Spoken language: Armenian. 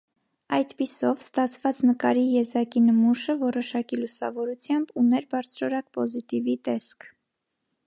Այդպիսով, ստացված նկարի եզակի նմուշը՝ որոշակի լուսավորությամբ, ուներ բարձրորակ պոզիտիվի տեսք։